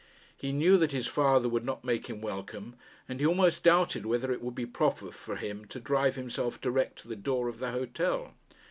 He knew that his father would not make him welcome, and he almost doubted whether it would be proper for him to drive himself direct to the door of the hotel.